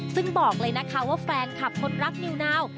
ซึ่งบอกเลยนะคะว่าแฟนคลับคนรักนิวนาว